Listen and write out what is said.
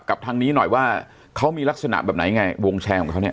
กับทางนี้หน่อยว่าเขามีลักษณะแบบไหนไงวงแชร์ของเขาเนี่ย